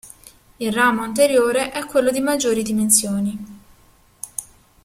Il ramo anteriore è quello di maggiori dimensioni.